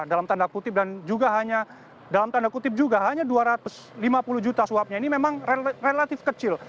dalam tanda kutip dan juga hanya dua ratus lima puluh juta suapnya ini memang relatif kecil